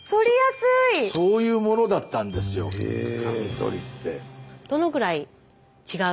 そういうものだったんですよカミソリって。